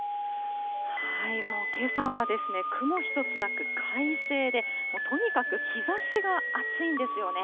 もうけさはですね、雲一つなく、快晴で、もうとにかく日ざしが暑いんですよね。